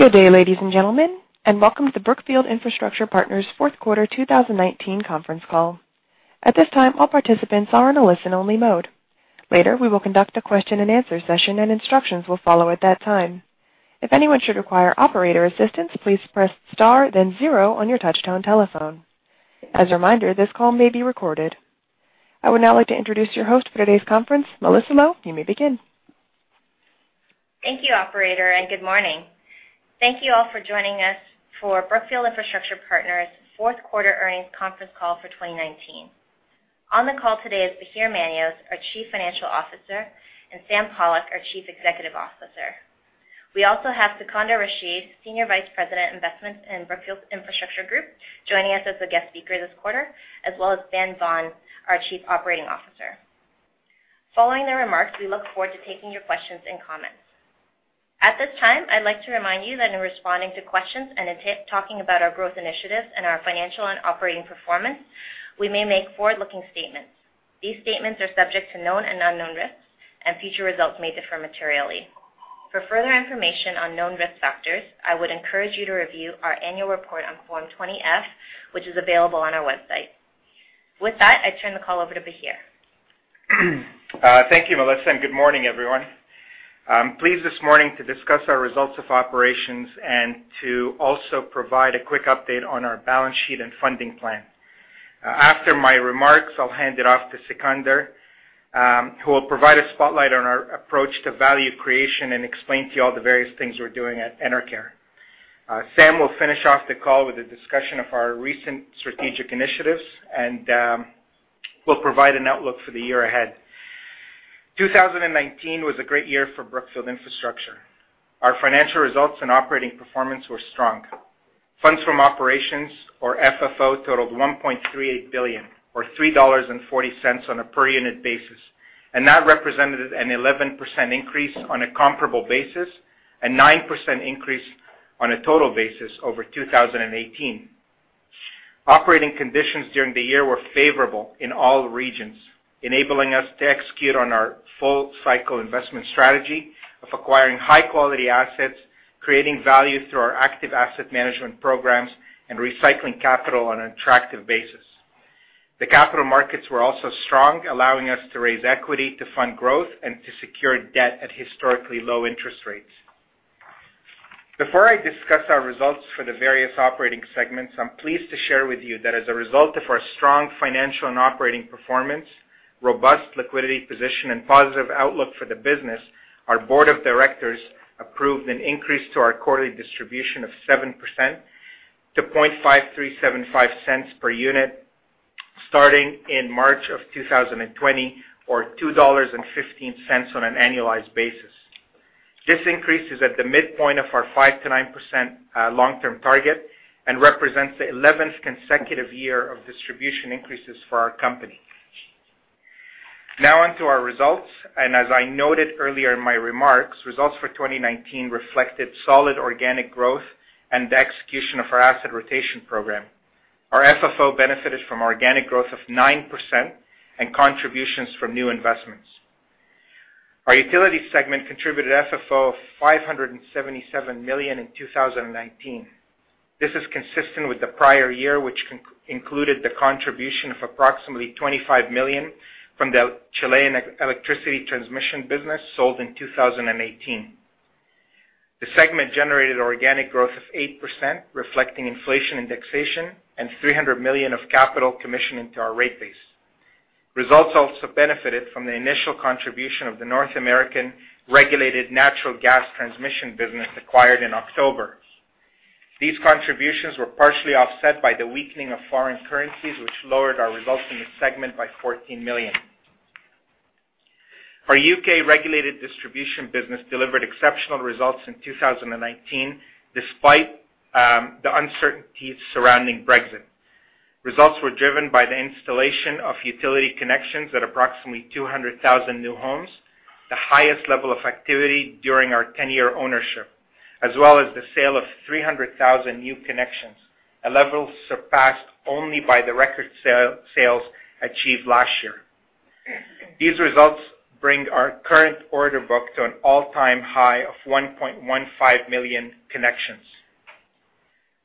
Good day, ladies and gentlemen, welcome to the Brookfield Infrastructure Partners fourth quarter 2019 conference call. At this time, all participants are in a listen-only mode. Later, we will conduct a question and answer session, and instructions will follow at that time. If anyone should require operator assistance, please press star then zero on your touchtone telephone. As a reminder, this call may be recorded. I would now like to introduce your host for today's conference. Melissa Low, you may begin. Thank you, operator. Good morning. Thank you all for joining us for Brookfield Infrastructure Partners' fourth quarter earnings conference call for 2019. On the call today is Bahir Manios, our Chief Financial Officer, and Sam Pollock, our Chief Executive Officer. We also have Sikander Rashid, Senior Vice President, Investments in Brookfield Infrastructure Group, joining us as a guest speaker this quarter, as well as Ben Vaughan, our Chief Operating Officer. Following their remarks, we look forward to taking your questions and comments. At this time, I'd like to remind you that in responding to questions and in talking about our growth initiatives and our financial and operating performance, we may make forward-looking statements. These statements are subject to known and unknown risks, and future results may differ materially. For further information on known risk factors, I would encourage you to review our annual report on Form 20-F, which is available on our website. With that, I turn the call over to Bahir. Thank you, Melissa, good morning, everyone. I'm pleased this morning to discuss our results of operations and to also provide a quick update on our balance sheet and funding plan. After my remarks, I'll hand it off to Sikander, who will provide a spotlight on our approach to value creation and explain to you all the various things we're doing at Enercare. Sam will finish off the call with a discussion of our recent strategic initiatives, and we'll provide an outlook for the year ahead. 2019 was a great year for Brookfield Infrastructure. Our financial results and operating performance were strong. Funds from operations, or FFO, totaled $1.38 billion, or $3.40 on a per unit basis. That represented an 11% increase on a comparable basis and 9% increase on a total basis over 2018. Operating conditions during the year were favorable in all regions, enabling us to execute on our full cycle investment strategy of acquiring high-quality assets, creating value through our active asset management programs, and recycling capital on an attractive basis. The capital markets were also strong, allowing us to raise equity to fund growth and to secure debt at historically low interest rates. Before I discuss our results for the various operating segments, I'm pleased to share with you that as a result of our strong financial and operating performance, robust liquidity position, and positive outlook for the business, our Board of Directors approved an increase to our quarterly distribution of 7% to $0.5375 per unit starting in March of 2020, or $2.15 on an annualized basis. This increase is at the midpoint of our 5%-9% long-term target and represents the 11th consecutive year of distribution increases for our company. Onto our results. As I noted earlier in my remarks, results for 2019 reflected solid organic growth and the execution of our asset rotation program. Our FFO benefited from organic growth of 9% and contributions from new investments. Our utility segment contributed FFO of $577 million in 2019. This is consistent with the prior year, which included the contribution of approximately $25 million from the Chilean electricity transmission business sold in 2018. The segment generated organic growth of 8%, reflecting inflation indexation and $300 million of capital commission into our rate base. Results also benefited from the initial contribution of the North American regulated natural gas transmission business acquired in October. These contributions were partially offset by the weakening of foreign currencies, which lowered our results in the segment by $14 million. Our U.K. regulated distribution business delivered exceptional results in 2019, despite the uncertainties surrounding Brexit. Results were driven by the installation of utility connections at approximately 200,000 new homes, the highest level of activity during our 10-year ownership, as well as the sale of 300,000 new connections, a level surpassed only by the record sales achieved last year. These results bring our current order book to an all-time high of 1.15 million connections.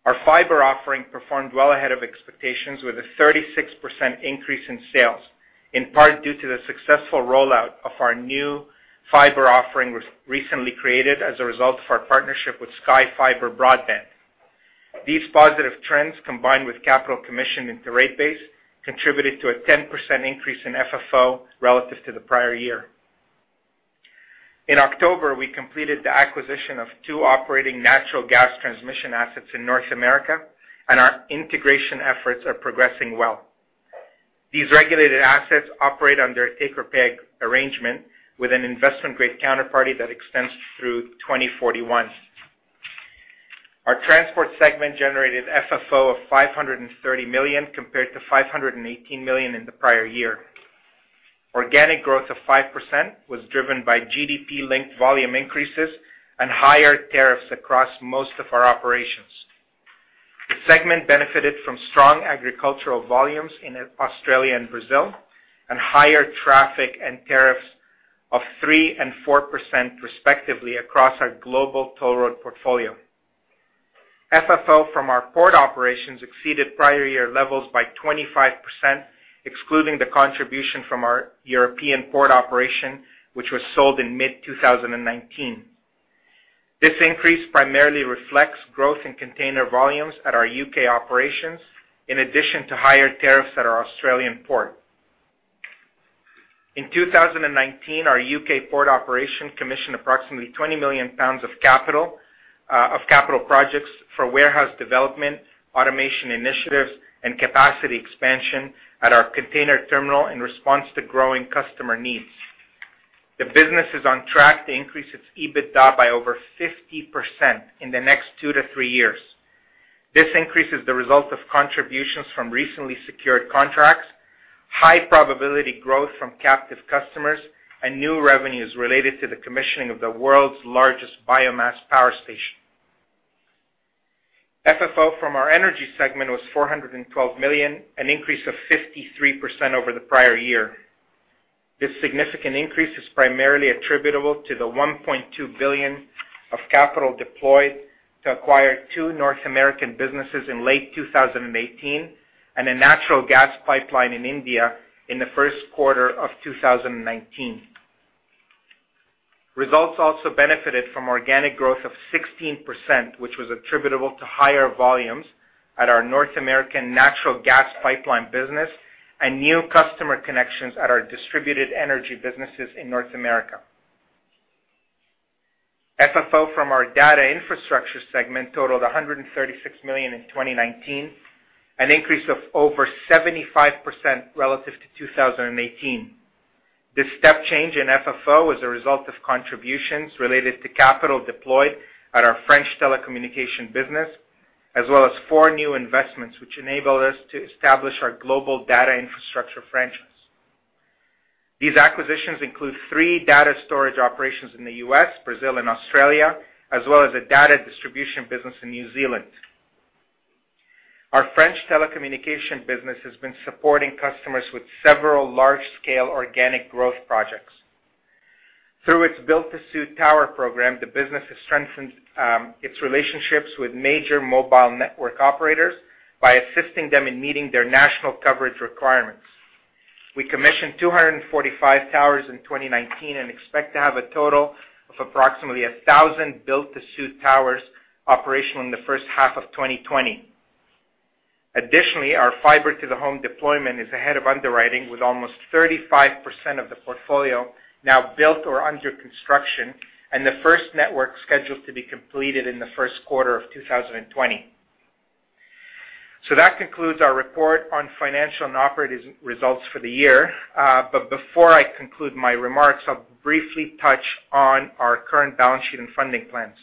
Our fiber offering performed well ahead of expectations with a 36% increase in sales, in part due to the successful rollout of our new fiber offering we recently created as a result of our partnership with Sky Fiber Broadband. These positive trends, combined with capital commission into rate base, contributed to a 10% increase in FFO relative to the prior year. In October, we completed the acquisition of two operating natural gas transmission assets in North America, and our integration efforts are progressing well. These regulated assets operate under a take-or-pay arrangement with an investment-grade counterparty that extends through 2041. Our transport segment generated FFO of $530 million compared to $518 million in the prior year. Organic growth of 5% was driven by GDP-linked volume increases and higher tariffs across most of our operations. The segment benefited from strong agricultural volumes in Australia and Brazil, and higher traffic and tariffs of 3% and 4% respectively across our global toll road portfolio. FFO from our port operations exceeded prior year levels by 25%, excluding the contribution from our European port operation, which was sold in mid-2019. This increase primarily reflects growth in container volumes at our U.K. operations, in addition to higher tariffs at our Australian port. In 2019, our U.K. port operation commissioned approximately 20 million pounds of capital projects for warehouse development, automation initiatives, and capacity expansion at our container terminal in response to growing customer needs. The business is on track to increase its EBITDA by over 50% in the next two to three years. This increase is the result of contributions from recently secured contracts, high probability growth from captive customers, and new revenues related to the commissioning of the world's largest biomass power station. FFO from our energy segment was $412 million, an increase of 53% over the prior year. This significant increase is primarily attributable to the $1.2 billion of capital deployed to acquire two North American businesses in late 2018, and a natural gas pipeline in India in the first quarter of 2019. Results also benefited from organic growth of 16%, which was attributable to higher volumes at our North American natural gas pipeline business and new customer connections at our distributed energy businesses in North America. FFO from our data infrastructure segment totaled $136 million in 2019, an increase of over 75% relative to 2018. This step change in FFO is a result of contributions related to capital deployed at our French telecommunication business, as well as four new investments, which enabled us to establish our global data infrastructure franchise. These acquisitions include three data storage operations in the U.S., Brazil, and Australia, as well as a data distribution business in New Zealand. Our French telecommunication business has been supporting customers with several large-scale organic growth projects. Through its built-to-suit tower program, the business has strengthened its relationships with major mobile network operators by assisting them in meeting their national coverage requirements. We commissioned 245 towers in 2019, and expect to have a total of approximately 1,000 built-to-suit towers operational in the first half of 2020. Additionally, our fiber-to-the-home deployment is ahead of underwriting, with almost 35% of the portfolio now built or under construction, and the first network scheduled to be completed in the first quarter of 2020. That concludes our report on financial and operating results for the year. Before I conclude my remarks, I'll briefly touch on our current balance sheet and funding plans.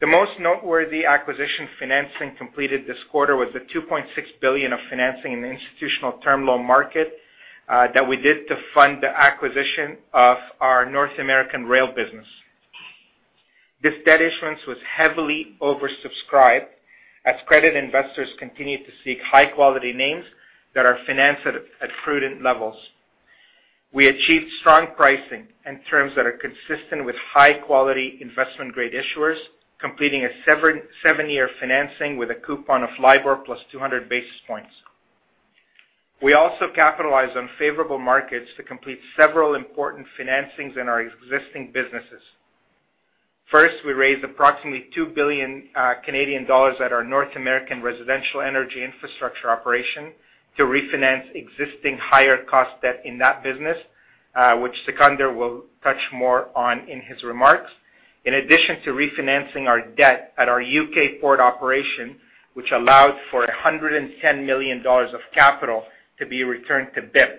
The most noteworthy acquisition financing completed this quarter was the $2.6 billion of financing in the institutional term loan market, that we did to fund the acquisition of our North American rail business. This debt issuance was heavily oversubscribed, as credit investors continued to seek high-quality names that are financed at prudent levels. We achieved strong pricing and terms that are consistent with high-quality investment-grade issuers, completing a seven-year financing with a coupon of LIBOR plus 200 basis points. We also capitalized on favorable markets to complete several important financings in our existing businesses. First, we raised approximately 2 billion Canadian dollars at our North American residential energy infrastructure operation to refinance existing higher-cost debt in that business, which Sikander will touch more on in his remarks. In addition to refinancing our debt at our U.K. port operation, which allowed for $110 million of capital to be returned to BIP,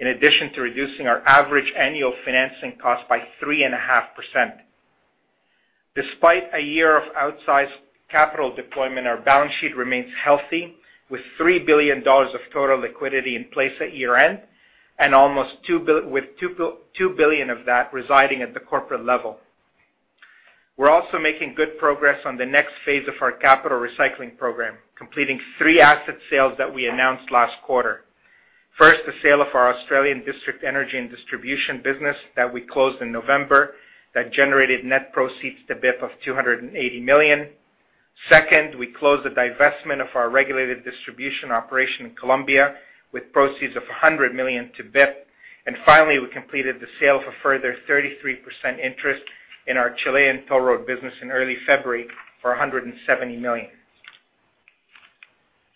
in addition to reducing our average annual financing cost by 3.5%. Despite a year of outsized capital deployment, our balance sheet remains healthy, with $3 billion of total liquidity in place at year-end, with $2 billion of that residing at the corporate level. We're also making good progress on the next phase of our capital recycling program, completing three asset sales that we announced last quarter. First, the sale of our Australian district energy and distribution business that we closed in November, that generated net proceeds to BIP of $280 million. Second, we closed the divestment of our regulated distribution operation in Colombia with proceeds of $100 million to BIP. Finally, we completed the sale of a further 33% interest in our Chilean toll road business in early February for $170 million.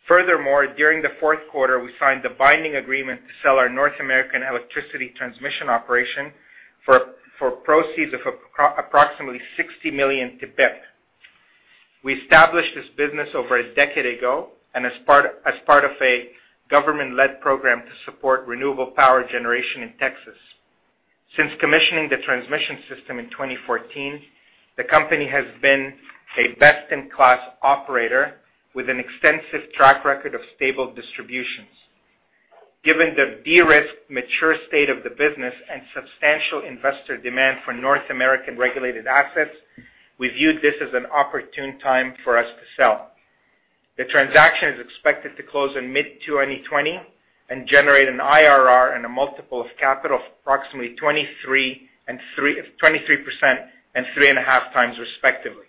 Furthermore, during the fourth quarter, we signed a binding agreement to sell our North American electricity transmission operation for proceeds of approximately $60 million to BIP. We established this business over a decade ago and as part of a government-led program to support renewable power generation in Texas. Since commissioning the transmission system in 2014, the company has been a best-in-class operator with an extensive track record of stable distributions. Given the de-risk mature state of the business and substantial investor demand for North American regulated assets, we viewed this as an opportune time for us to sell. The transaction is expected to close in mid-2020 and generate an IRR and a multiple of capital of approximately 23% and 3.5x, respectively.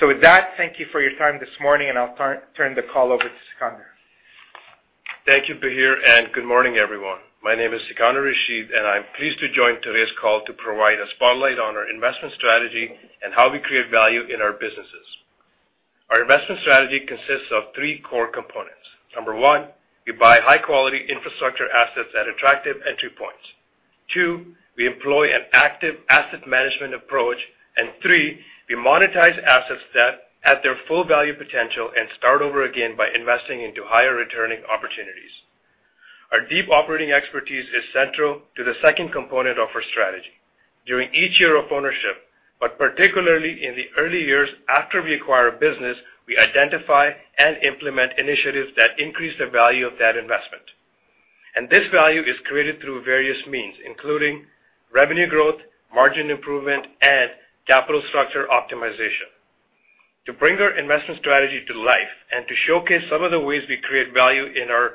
With that, thank you for your time this morning, and I'll turn the call over to Sikander. Thank you, Bahir. Good morning, everyone. My name is Sikander Rashid. I'm pleased to join today's call to provide a spotlight on our investment strategy and how we create value in our businesses. Our investment strategy consists of three core components. Number one, we buy high-quality infrastructure assets at attractive entry points. Two, we employ an active asset management approach. Three, we monetize assets that at their full value potential and start over again by investing into higher returning opportunities. Our deep operating expertise is central to the second component of our strategy. During each year of ownership, particularly in the early years after we acquire a business, we identify and implement initiatives that increase the value of that investment. This value is created through various means, including revenue growth, margin improvement, and capital structure optimization. To bring our investment strategy to life and to showcase some of the ways we create value in our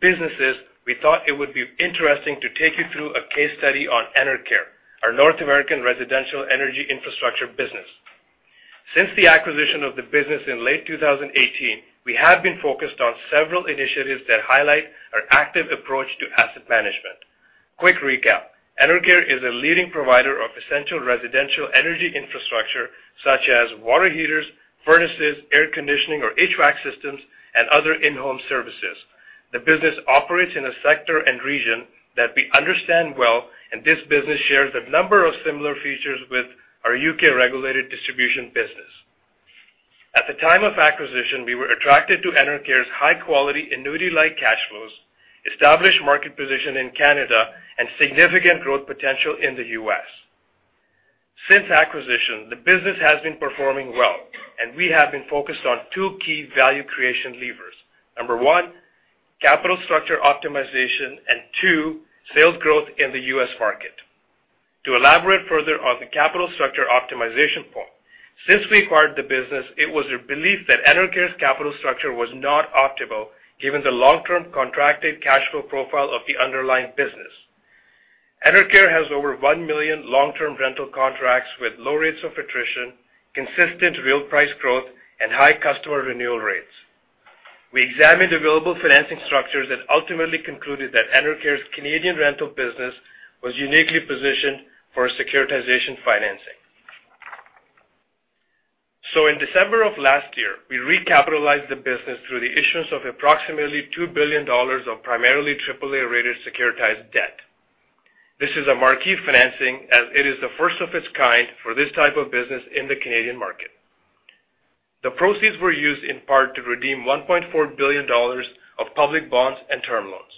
businesses, we thought it would be interesting to take you through a case study on Enercare, our North American residential energy infrastructure business. Since the acquisition of the business in late 2018, we have been focused on several initiatives that highlight our active approach to asset management. Quick recap. Enercare is a leading provider of essential residential energy infrastructure such as water heaters, furnaces, air conditioning or HVAC systems, and other in-home services. The business operates in a sector and region that we understand well, and this business shares a number of similar features with our U.K. regulated distribution business. At the time of acquisition, we were attracted to Enercare's high-quality annuity-like cash flows, established market position in Canada, and significant growth potential in the U.S. Since acquisition, the business has been performing well, and we have been focused on two key value creation levers. Number one, capital structure optimization, and two, sales growth in the U.S. market. To elaborate further on the capital structure optimization point, since we acquired the business, it was a belief that Enercare's capital structure was not optimal given the long-term contracted cash flow profile of the underlying business. Enercare has over 1 million long-term rental contracts with low rates of attrition, consistent real price growth, and high customer renewal rates. We examined available financing structures and ultimately concluded that Enercare's Canadian rental business was uniquely positioned for a securitization financing. In December of last year, we recapitalized the business through the issuance of approximately $2 billion of primarily AAA-rated securitized debt. This is a marquee financing as it is the first of its kind for this type of business in the Canadian market. The proceeds were used in part to redeem $1.4 billion of public bonds and term loans.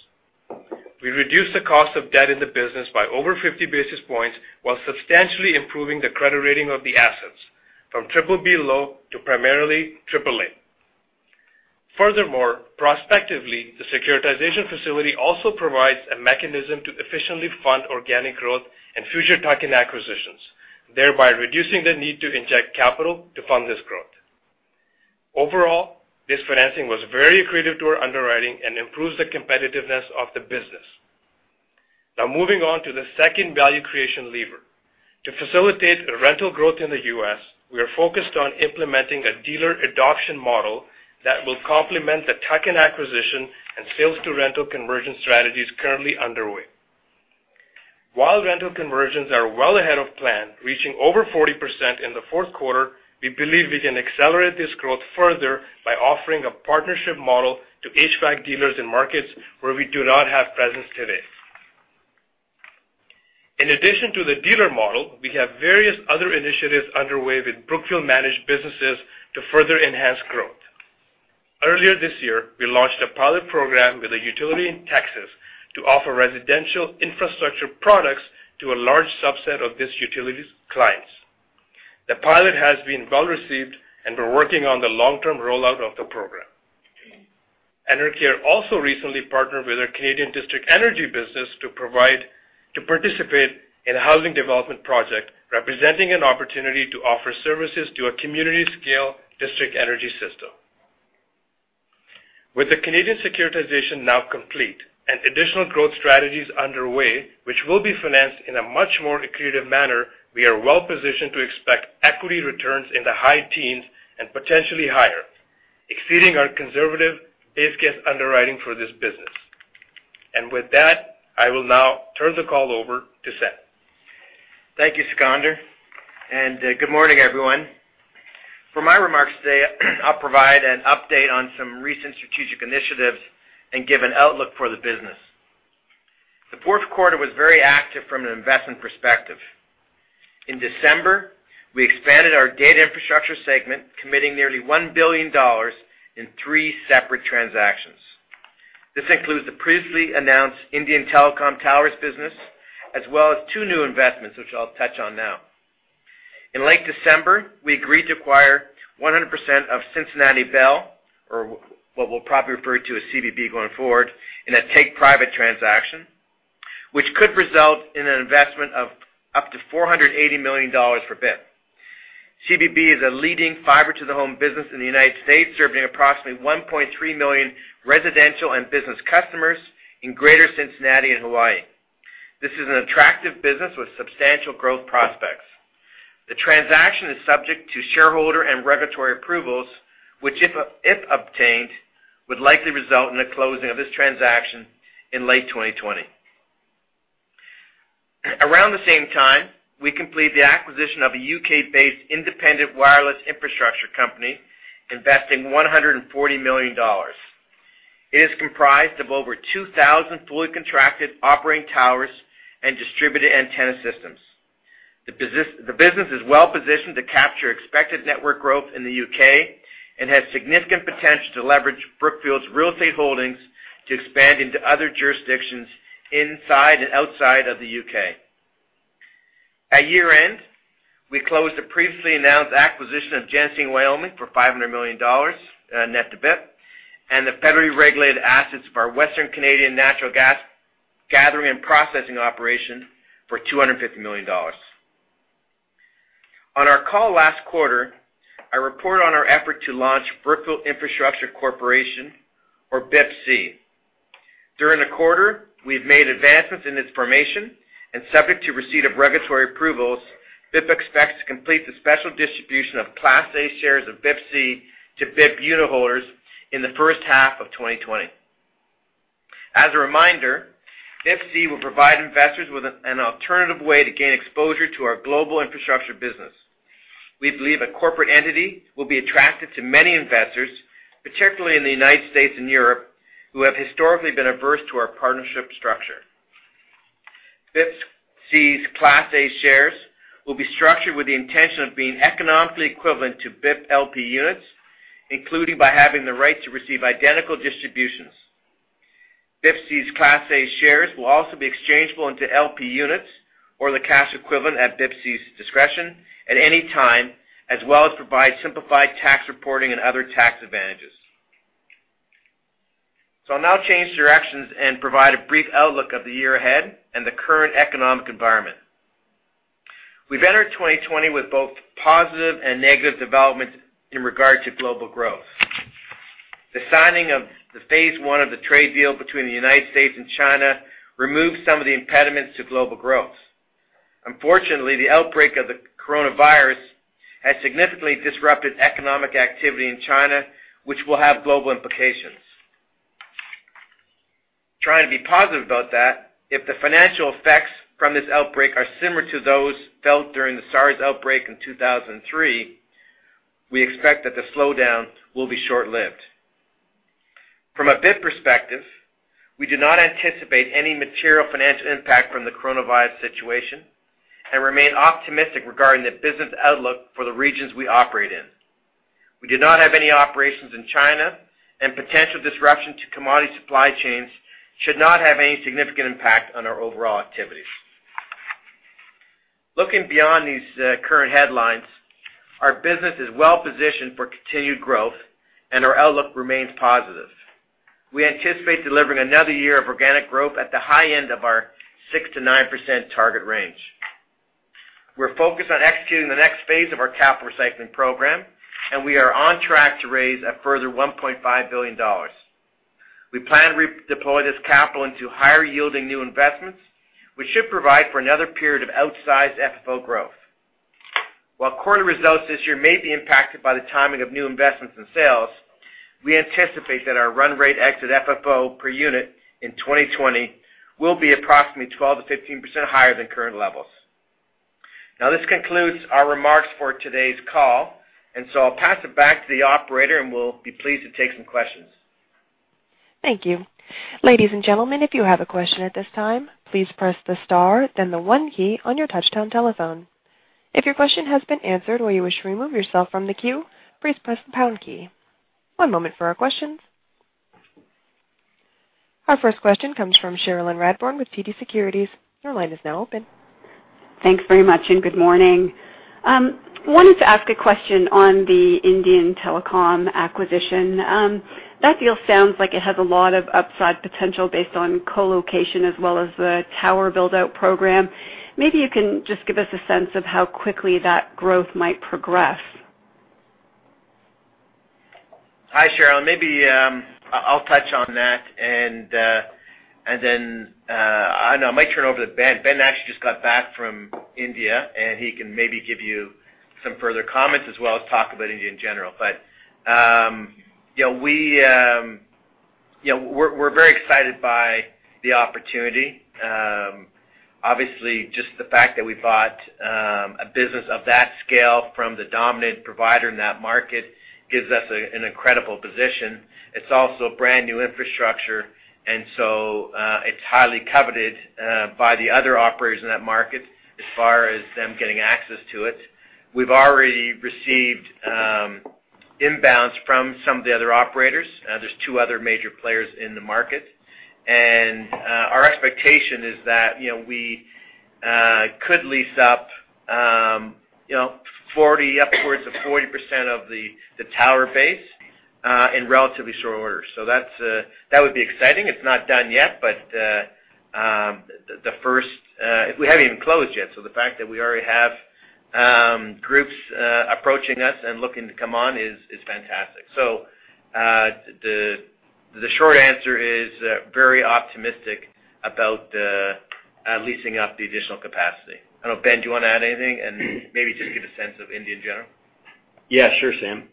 We reduced the cost of debt in the business by over 50 basis points while substantially improving the credit rating of the assets from BBB low to primarily AAA. Furthermore, prospectively, the securitization facility also provides a mechanism to efficiently fund organic growth and future tuck-in acquisitions, thereby reducing the need to inject capital to fund this growth. Overall, this financing was very accretive to our underwriting and improves the competitiveness of the business. Now, moving on to the second value creation lever. To facilitate rental growth in the U.S., we are focused on implementing a dealer adoption model that will complement the tuck-in acquisition and sales to rental conversion strategies currently underway. While rental conversions are well ahead of plan, reaching over 40% in the fourth quarter, we believe we can accelerate this growth further by offering a partnership model to HVAC dealers in markets where we do not have presence today. In addition to the dealer model, we have various other initiatives underway with Brookfield-managed businesses to further enhance growth. Earlier this year, we launched a pilot program with a utility in Texas to offer residential infrastructure products to a large subset of this utility's clients. The pilot has been well-received, and we're working on the long-term rollout of the program. Enercare also recently partnered with our Canadian district energy business to participate in a housing development project, representing an opportunity to offer services to a community-scale district energy system. With the Canadian securitization now complete and additional growth strategies underway, which will be financed in a much more accretive manner, we are well-positioned to expect equity returns in the high teens and potentially higher, exceeding our conservative base case underwriting for this business. With that, I will now turn the call over to Sam. Thank you, Sikander, and good morning, everyone. For my remarks today, I'll provide an update on some recent strategic initiatives and give an outlook for the business. The fourth quarter was very active from an investment perspective. In December, we expanded our data infrastructure segment, committing nearly $1 billion in three separate transactions. This includes the previously announced Indian telecom towers business, as well as two new investments, which I'll touch on now. In late December, we agreed to acquire 100% of Cincinnati Bell, or what we'll probably refer to as CBB going forward, in a take-private transaction, which could result in an investment of up to $480 million for BIP. CBB is a leading fiber-to-the-home business in the U.S., serving approximately 1.3 million residential and business customers in Greater Cincinnati and Hawaii. This is an attractive business with substantial growth prospects. The transaction is subject to shareholder and regulatory approvals, which, if obtained, would likely result in the closing of this transaction in late 2020. Around the same time, we completed the acquisition of a U.K.-based independent wireless infrastructure company, investing $140 million. It is comprised of over 2,000 fully contracted operating towers and distributed antenna systems. The business is well-positioned to capture expected network growth in the U.K. and has significant potential to leverage Brookfield's real estate holdings to expand into other jurisdictions inside and outside of the U.K. At year-end, we closed the previously announced acquisition of Genesee & Wyoming for $500 million net to BIP, and the federally regulated assets of our Western Canadian natural gas gathering and processing operation for $250 million. On our call last quarter, I reported on our effort to launch Brookfield Infrastructure Corporation, or BIPC. Subject to receipt of regulatory approvals, BIP expects to complete the special distribution of Class A shares of BIPC to BIP unitholders in the first half of 2020. As a reminder, BIPC will provide investors with an alternative way to gain exposure to our global infrastructure business. We believe a corporate entity will be attractive to many investors, particularly in the United States and Europe, who have historically been averse to our partnership structure. BIPC's Class A shares will be structured with the intention of being economically equivalent to BIP LP units, including by having the right to receive identical distributions. BIPC's Class A shares will also be exchangeable into LP units or the cash equivalent at BIPC's discretion at any time, as well as provide simplified tax reporting and other tax advantages. I'll now change directions and provide a brief outlook of the year ahead and the current economic environment. We've entered 2020 with both positive and negative developments in regard to global growth. The signing of the phase I of the trade deal between the United States and China removed some of the impediments to global growth. Unfortunately, the outbreak of the coronavirus has significantly disrupted economic activity in China, which will have global implications. Trying to be positive about that, if the financial effects from this outbreak are similar to those felt during the SARS outbreak in 2003, we expect that the slowdown will be short-lived. From a BIP perspective, we do not anticipate any material financial impact from the coronavirus situation and remain optimistic regarding the business outlook for the regions we operate in. We do not have any operations in China, and potential disruption to commodity supply chains should not have any significant impact on our overall activities. Looking beyond these current headlines, our business is well positioned for continued growth, and our outlook remains positive. We anticipate delivering another year of organic growth at the high end of our 6%-9% target range. We're focused on executing the next phase of our capital recycling program, and we are on track to raise a further $1.5 billion. We plan to deploy this capital into higher-yielding new investments, which should provide for another period of outsized FFO growth. While quarter results this year may be impacted by the timing of new investments and sales, we anticipate that our run rate exit FFO per unit in 2020 will be approximately 12%-15% higher than current levels. This concludes our remarks for today's call. I'll pass it back to the operator. We'll be pleased to take some questions. Thank you. Ladies and gentlemen, if you have a question at this time, please press the star then the one key on your touchtone telephone. If your question has been answered or you wish to remove yourself from the queue, please press the pound key. One moment for our questions. Our first question comes from Cherilyn Radbourne with TD Securities. Your line is now open. Thanks very much, and good morning. I wanted to ask a question on the Indian telecom acquisition. That deal sounds like it has a lot of upside potential based on co-location as well as the tower build-out program. Maybe you can just give us a sense of how quickly that growth might progress. Hi, Cheril. Maybe I'll touch on that, and then I might turn it over to Ben. Ben actually just got back from India, and he can maybe give you some further comments as well as talk about India in general. We're very excited by the opportunity. Obviously, just the fact that we bought a business of that scale from the dominant provider in that market gives us an incredible position. It's also brand-new infrastructure, it's highly coveted by the other operators in that market as far as them getting access to it. We've already received inbounds from some of the other operators. There's two other major players in the market. Our expectation is that, we could lease up upwards of 40% of the tower base in relatively short order. That would be exciting. It's not done yet, we haven't even closed yet. The fact that we already have groups approaching us and looking to come on is fantastic. The short answer is very optimistic about the leasing up the additional capacity. I don't know, Ben, do you want to add anything? Maybe just give a sense of India in general. Yeah, sure, Sam.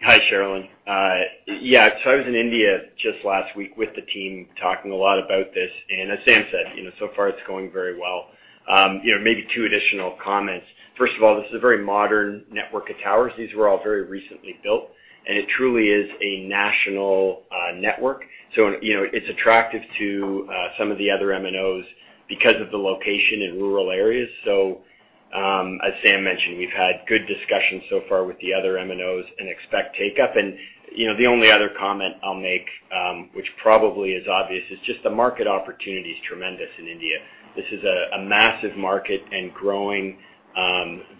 Hi, Cherilyn. I was in India just last week with the team talking a lot about this. As Sam said, so far it's going very well. Maybe two additional comments. First of all, this is a very modern network of towers. These were all very recently built, and it truly is a national network. It's attractive to some of the other MNOs because of the location in rural areas. As Sam mentioned, we've had good discussions so far with the other MNOs and expect take-up. The only other comment I'll make, which probably is obvious, is just the market opportunity is tremendous in India. This is a massive market and growing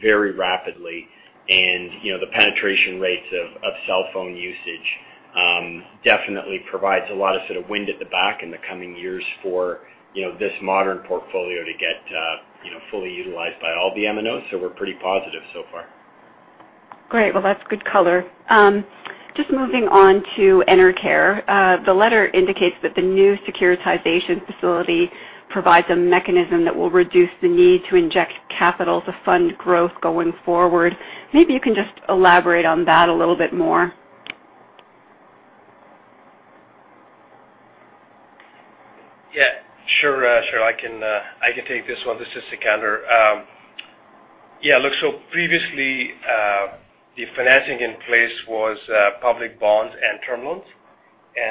very rapidly. The penetration rates of cell phone usage, definitely provides a lot of sort of wind at the back in the coming years for this modern portfolio to get fully utilized by all the MNOs. We're pretty positive so far. Great. Well, that's good color. Moving on to Enercare. The letter indicates that the new securitization facility provides a mechanism that will reduce the need to inject capital to fund growth going forward. Maybe you can just elaborate on that a little bit more. Yeah, sure. Cheril, I can take this one. This is Sikander. Yeah, look, Previously, the financing in place was public bonds and term loans.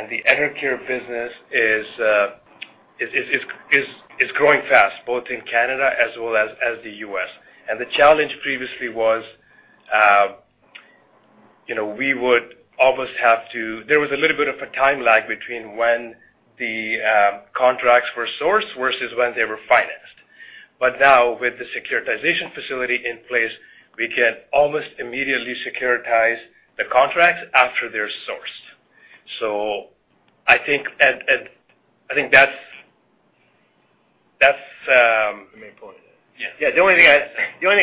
The Enercare business is growing fast, both in Canada as well as the U.S. The challenge previously was, there was a little bit of a time lag between when the contracts were sourced versus when they were financed. Now, with the securitization facility in place, we can almost immediately securitize the contracts after they're sourced. I think that's- Let me pull it in. Yeah. The only thing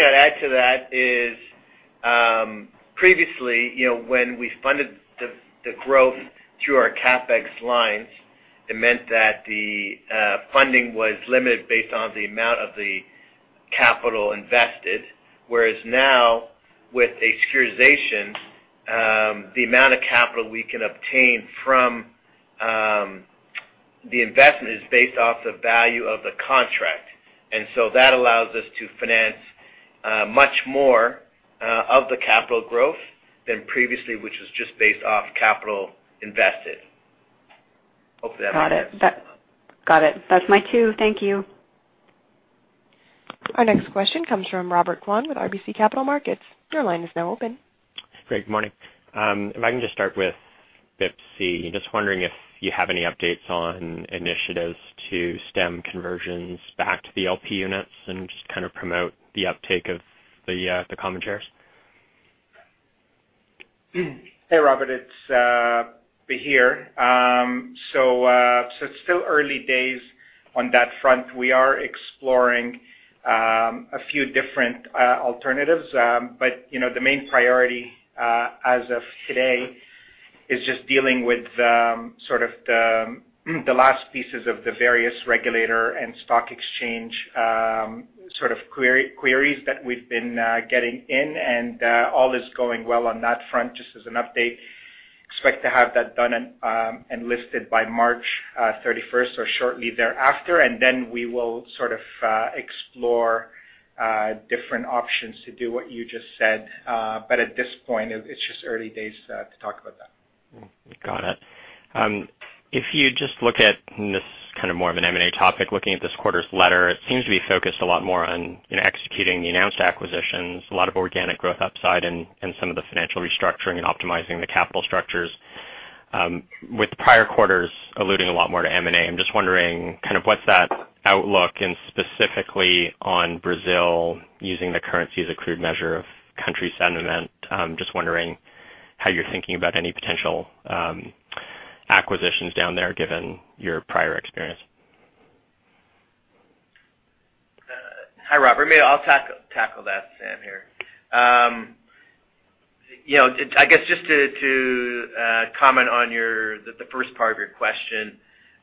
I'd add to that is, previously, when we funded the growth through our CapEx lines, it meant that the funding was limited based on the amount of the capital invested. Whereas now, with a securitization, the amount of capital we can obtain from the investment is based off the value of the contract. That allows us to finance much more of the capital growth than previously, which was just based off capital invested. Hopefully that makes sense. Got it. That's my cue. Thank you. Our next question comes from Robert Kwan with RBC Capital Markets. Your line is now open. Great. Good morning. If I can just start with BIPC. Just wondering if you have any updates on initiatives to stem conversions back to the LP units and just kind of promote the uptake of the common shares. Hey, Robert, it's Bahir. It's still early days on that front. We are exploring a few different alternatives. The main priority, as of today, is just dealing with the sort of the last pieces of the various regulator and stock exchange sort of queries that we've been getting in, and all is going well on that front, just as an update. Expect to have that done and enlisted by March 31st or shortly thereafter, we will sort of explore different options to do what you just said. At this point, it's just early days to talk about that. Got it. If you just look at, and this is kind of more of an M&A topic, looking at this quarter's letter, it seems to be focused a lot more on executing the announced acquisitions, a lot of organic growth upside and some of the financial restructuring and optimizing the capital structures. With prior quarters alluding a lot more to M&A, I'm just wondering kind of what's that outlook and specifically on Brazil using the currency as a crude measure of country sentiment. Just wondering how you're thinking about any potential acquisitions down there given your prior experience. Hi, Robert. Maybe I'll tackle that. Sam here. I guess just to comment on the first part of your question,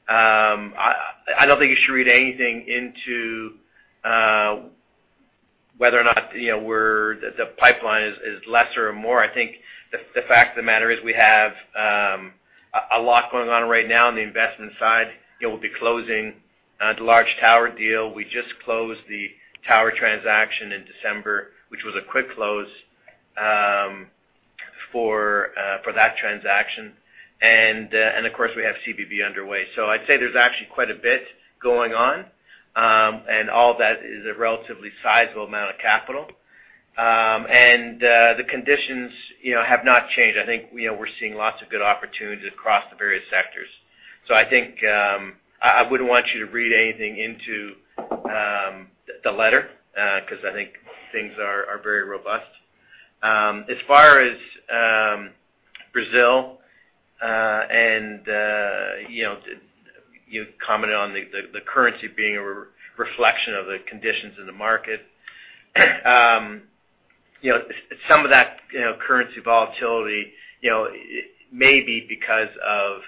I don't think you should read anything into whether or not the pipeline is lesser or more. I think the fact of the matter is we have a lot going on right now on the investment side. We'll be closing the large tower deal. We just closed the tower transaction in December, which was a quick close for that transaction. Of course, we have CBB underway. I'd say there's actually quite a bit going on. All that is a relatively sizable amount of capital. The conditions have not changed. I think we're seeing lots of good opportunities across the various sectors. I think I wouldn't want you to read anything into the letter, because I think things are very robust. As far as Brazil, you commented on the currency being a reflection of the conditions in the market. Some of that currency volatility may be because of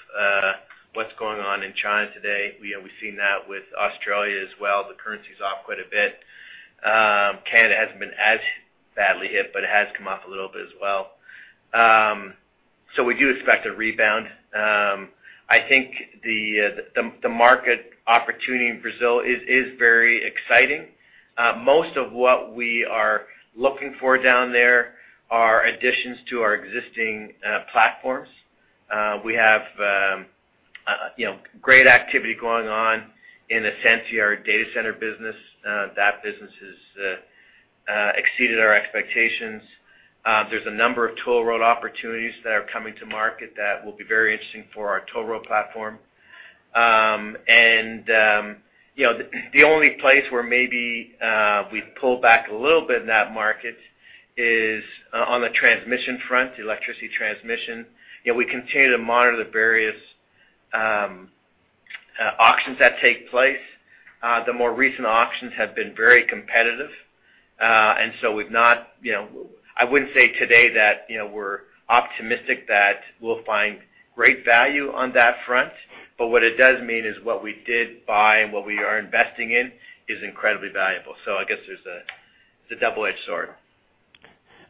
what's going on in China today. We've seen that with Australia as well. The currency's off quite a bit. Canada hasn't been as badly hit, it has come off a little bit as well. We do expect a rebound. I think the market opportunity in Brazil is very exciting. Most of what we are looking for down there are additions to our existing platforms. We have great activity going on in Ascenty, our data center business. That business has exceeded our expectations. There's a number of toll road opportunities that are coming to market that will be very interesting for our toll road platform. The only place where maybe we've pulled back a little bit in that market is on the transmission front, the electricity transmission. We continue to monitor the various auctions that take place. The more recent auctions have been very competitive. I wouldn't say today that we're optimistic that we'll find great value on that front. What it does mean is what we did buy and what we are investing in is incredibly valuable. I guess it's a double-edged sword.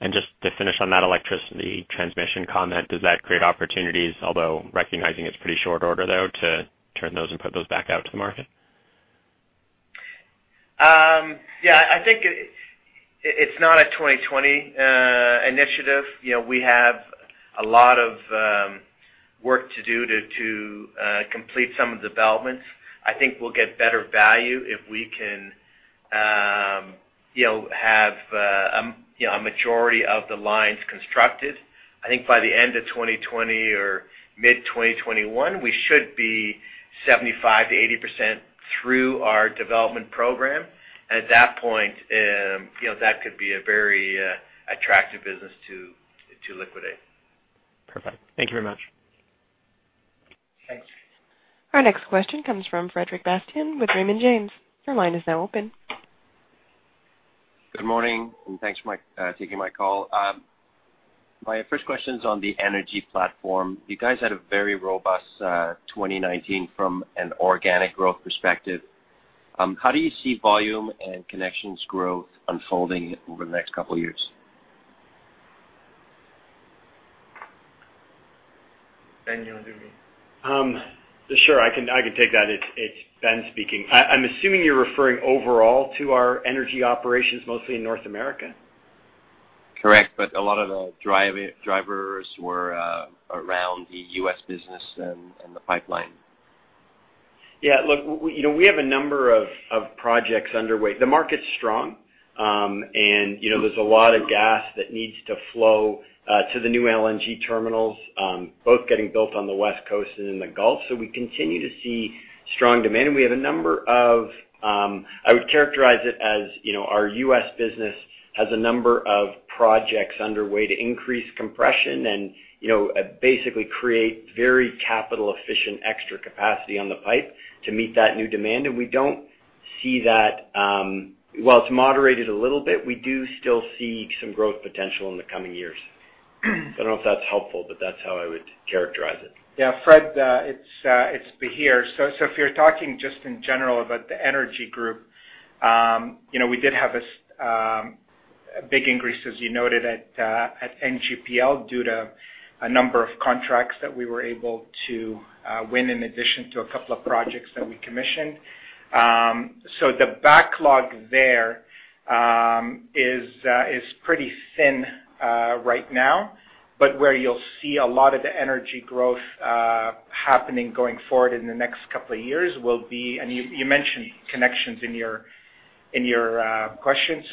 Just to finish on that electricity transmission comment, does that create opportunities, although recognizing it's pretty short order, though, to turn those and put those back out to the market? Yeah, I think it's not a 2020 initiative. We have a lot of work to do to complete some of the developments. I think we'll get better value if we can have a majority of the lines constructed. I think by the end of 2020 or mid-2021, we should be 75%-80% through our development program. At that point, that could be a very attractive business to liquidate. Perfect. Thank you very much. Thanks. Our next question comes from Frederic Bastien with Raymond James. Your line is now open. Good morning. Thanks for taking my call. My first question's on the energy platform. You guys had a very robust 2019 from an organic growth perspective. How do you see volume and connections growth unfolding over the next couple of years? Ben, you want to do me? Sure, I can take that. It is Ben speaking. I am assuming you are referring overall to our energy operations, mostly in North America. Correct. A lot of the drivers were around the U.S. business and the pipeline. Yeah, look, we have a number of projects underway. The market's strong. There's a lot of gas that needs to flow to the new LNG terminals, both getting built on the West Coast and in the Gulf. We continue to see strong demand, and I would characterize it as our U.S. business has a number of projects underway to increase compression and basically create very capital-efficient extra capacity on the pipe to meet that new demand. We don't see that. While it's moderated a little bit, we do still see some growth potential in the coming years. I don't know if that's helpful, but that's how I would characterize it. Yeah, Fred, it's Bahir. If you're talking just in general about the energy group, we did have a big increase, as you noted, at NGPL due to a number of contracts that we were able to win in addition to a couple of projects that we commissioned. The backlog there is pretty thin right now. Where you'll see a lot of the energy growth happening going forward in the next couple of years will be, and you mentioned connections in your question.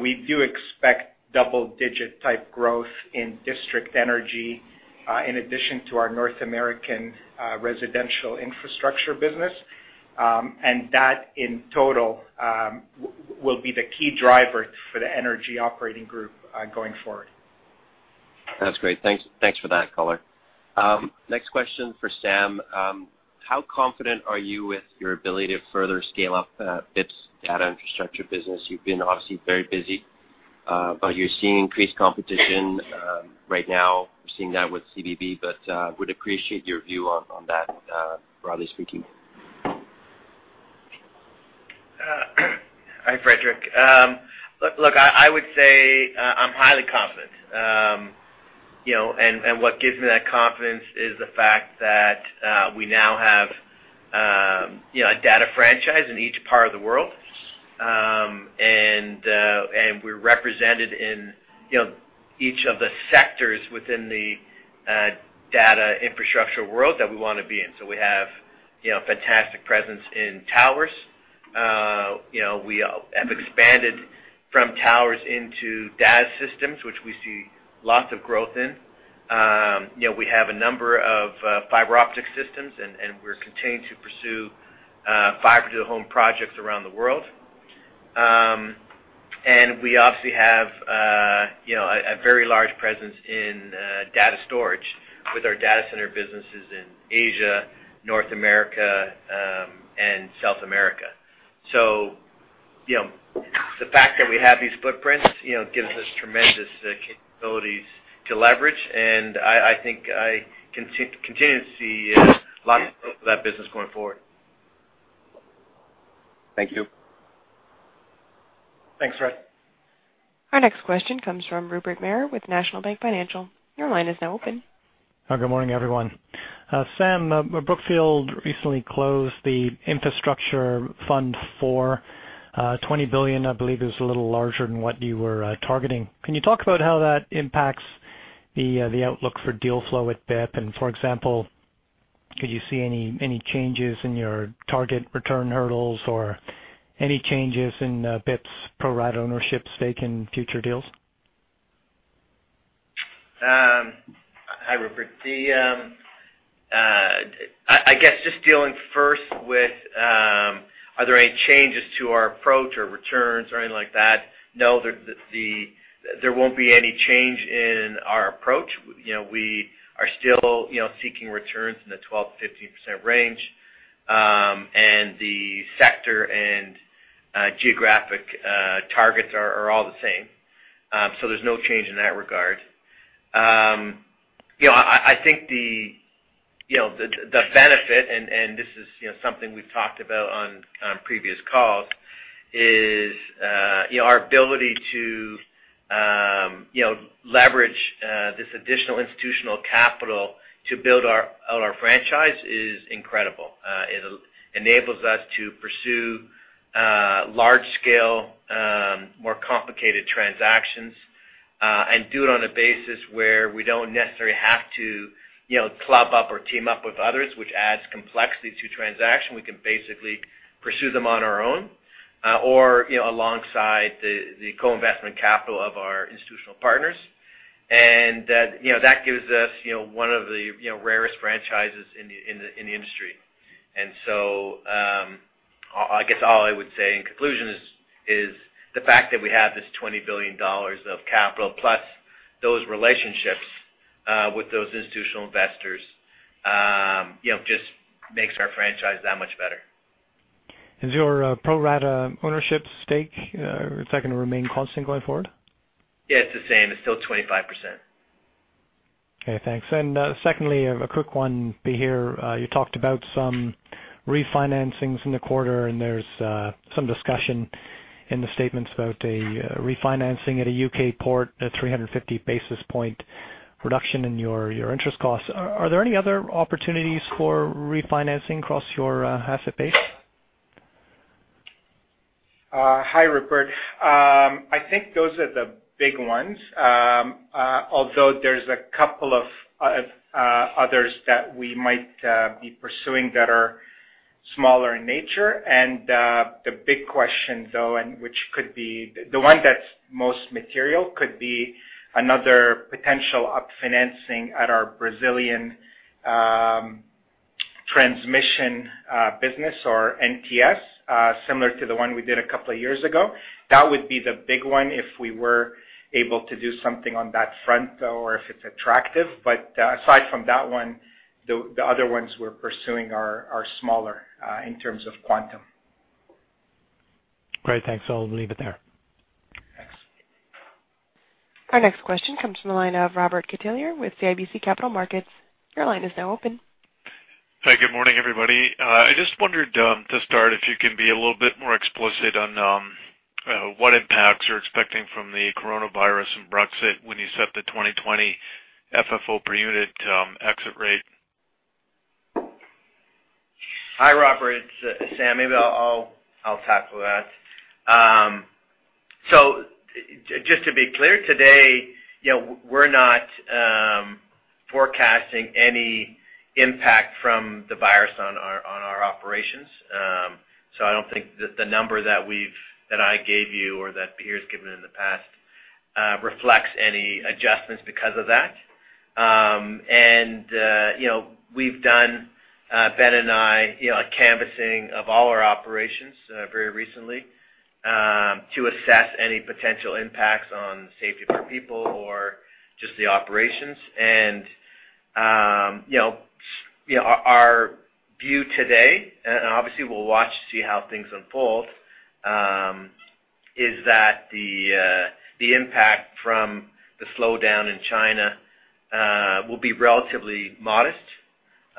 We do expect double-digit type growth in district energy, in addition to our North American residential infrastructure business. That, in total, will be the key driver for the energy operating group going forward. That's great. Thanks for that color. Next question for Sam. How confident are you with your ability to further scale up BIP's data infrastructure business? You've been obviously very busy. You're seeing increased competition right now, we're seeing that with CBB, but would appreciate your view on that, broadly speaking. Hi, Frederic. Look, I would say I'm highly confident. What gives me that confidence is the fact that we now have a data franchise in each part of the world. We're represented in each of the sectors within the data infrastructure world that we want to be in. We have a fantastic presence in towers. We have expanded from towers into DAS systems, which we see lots of growth in. We have a number of fiber optic systems. We're continuing to pursue fiber-to-the-home projects around the world. We obviously have a very large presence in data storage with our data center businesses in Asia, North America, and South America. The fact that we have these footprints gives us tremendous capabilities to leverage. I think I continue to see lots of growth for that business going forward. Thank you. Thanks, Fred. Our next question comes from Rupert Merer with National Bank Financial. Your line is now open. Oh, good morning, everyone. Sam, Brookfield recently closed the Infrastructure Fund for $20 billion, I believe is a little larger than what you were targeting. Can you talk about how that impacts the outlook for deal flow at BIP? For example, could you see any changes in your target return hurdles or any changes in BIP's pro-rata ownership stake in future deals? Hi, Rupert. I guess just dealing first with, are there any changes to our approach or returns or anything like that? No. There won't be any change in our approach. We are still seeking returns in the 12%-15% range. The sector and geographic targets are all the same. There's no change in that regard. I think the benefit, and this is something we've talked about on previous calls, is our ability to leverage this additional institutional capital to build out our franchise is incredible. It enables us to pursue large-scale, more complicated transactions. Do it on a basis where we don't necessarily have to club up or team up with others, which adds complexity to transaction. We can basically pursue them on our own, or alongside the co-investment capital of our institutional partners. That gives us one of the rarest franchises in the industry. I guess all I would say in conclusion is the fact that we have this $20 billion of capital, plus those relationships with those institutional investors just makes our franchise that much better. Is your pro-rata ownership stake, is that going to remain constant going forward? Yeah, it's the same. It's still 25%. Okay, thanks. Secondly, a quick one, Bahir. You talked about some refinancings in the quarter, and there's some discussion in the statements about a refinancing at a U.K. port, a 350 basis point reduction in your interest costs. Are there any other opportunities for refinancing across your asset base? Hi, Rupert. I think those are the big ones. Although there's a couple of others that we might be pursuing that are smaller in nature, and the big question though, and the one that's most material could be another potential up-financing at our Brazilian transmission business or NTS, similar to the one we did a couple of years ago. That would be the big one if we were able to do something on that front though, or if it's attractive. Aside from that one, the other ones we're pursuing are smaller in terms of quantum. Great. Thanks. I'll leave it there. Thanks. Our next question comes from the line of Robert Catellier with CIBC Capital Markets. Your line is now open. Hi. Good morning, everybody. I just wondered, to start, if you can be a little bit more explicit on what impacts you're expecting from the coronavirus and Brexit when you set the 2020 FFO per unit exit rate. Hi, Robert. It's Sam. Maybe I'll tackle that. Just to be clear, today, we're not forecasting any impact from the virus on our operations. I don't think that the number that I gave you or that Bahir's given in the past reflects any adjustments because of that. We've done, Ben and I, a canvassing of all our operations very recently to assess any potential impacts on safety of our people or just the operations. Our view today, and obviously we'll watch to see how things unfold, is that the impact from the slowdown in China will be relatively modest.